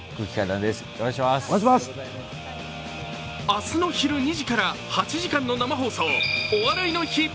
明日の昼２時から８時間の生放送「お笑いの日」。